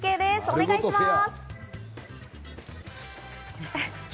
お願いします。